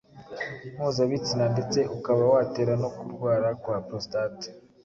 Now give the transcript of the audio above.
mpuzabitsina ndetse ukaba watera no kurwara kwa prostate.